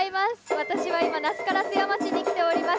私は今、那須烏山市に来ております。